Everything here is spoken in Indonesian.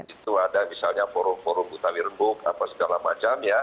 itu ada misalnya forum forum betawi rembuk apa segala macam ya